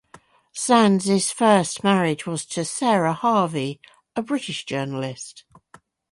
Sands' first marriage was to Sarah Harvey, a British journalist.